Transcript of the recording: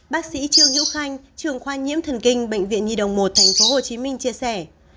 bác sĩ trương nhữ khanh trường khoa nhiễm thần kinh bệnh viện nhi đồng một tp hcm chia sẻ